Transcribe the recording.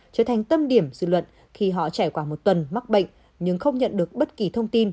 trở thành tâm điểm dư luận khi họ trải qua một tuần mắc bệnh nhưng không nhận được bất kỳ thông tin